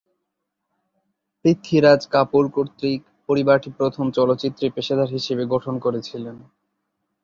পৃথ্বীরাজ কাপুর কর্তৃক পরিবারটি প্রথম চলচ্চিত্রে পেশাদার হিসেবে গঠন করেছিলেন।